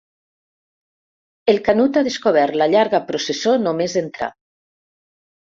El Canut ha descobert la llarga processó només entrar.